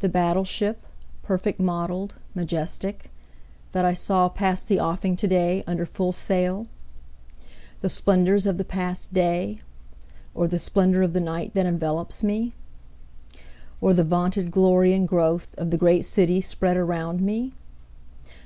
The battle ship, perfect model'd, majestic, that I saw pass the offing to day under full sail? The splendors of the past day? Or the splendor of the night that envelopes me? Or the vaunted glory and growth of the great city spread around me?